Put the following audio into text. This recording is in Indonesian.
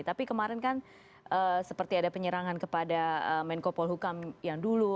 tapi kemarin kan seperti ada penyerangan kepada menko polhukam yang dulu